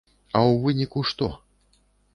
А ў выніку што?